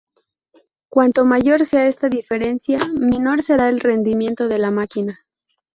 Cuanto mayor sea esta diferencia, menor será el rendimiento de la máquina.